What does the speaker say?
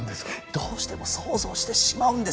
どうしても想像してしまうんですよ